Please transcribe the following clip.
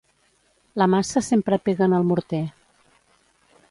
La maça sempre pega en el morter.